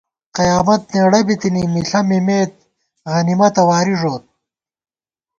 قیامت نېڑہ بِتِنی ، مِݪہ مِمېت غنِمَتہ واری ݫوت